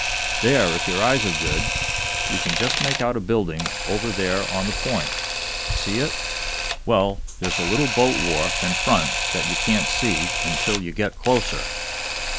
"There, if yer eyes are good, you can jest make out a building over there on the point. See it? Well, there's a little boat wharf in front that ye can't see until you get closer."